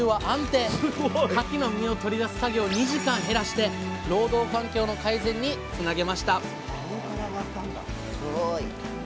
かきの身を取り出す作業を２時間減らして労働環境の改善につなげました